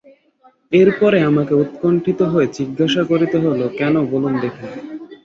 এর পরে আমাকে উৎকণ্ঠিত হয়ে জিজ্ঞাসা করতে হল, কেন বলুন দেখি।